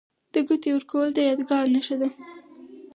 د ګوتې ورکول د یادګار نښه ده.